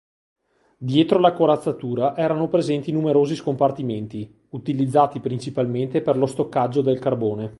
Dietro la corazzatura erano presenti numerosi scompartimenti, utilizzati principalmente per lo stoccaggio del carbone.